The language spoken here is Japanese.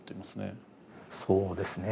そうですね。